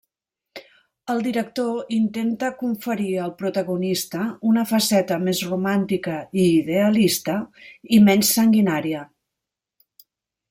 El director intenta conferir al protagonista una faceta més romàntica i idealista i menys sanguinària.